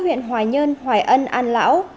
hoài nhân hoài ân an lão